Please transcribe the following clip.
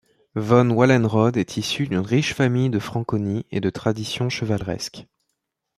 Von Wallenrode est issu d'une riche famille de Franconie et de tradition chevaleresque.